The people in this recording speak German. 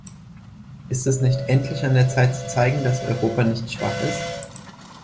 Ist es nicht endlich an der Zeit zu zeigen, dass Europa nicht schwach ist?